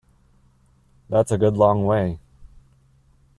That’s a good long way.